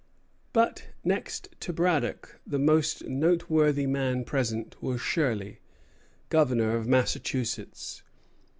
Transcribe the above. But, next to Braddock, the most noteworthy man present was Shirley, governor of Massachusetts.